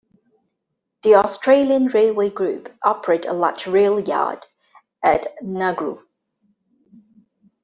The Australian Railroad Group operate a large rail yard at Narngulu.